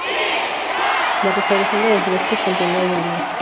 La restauración de los frescos continua hoy en día.